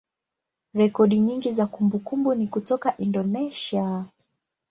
rekodi nyingi za kumbukumbu ni kutoka Indonesia.